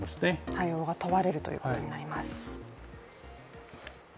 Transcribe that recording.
対応が問われるということになります。